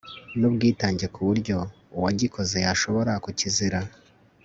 n'ubwitange ku buryo uwagikoze yashobora kukizira